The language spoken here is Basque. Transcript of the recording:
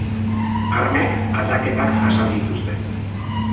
Armek aldaketak jasan dituzte.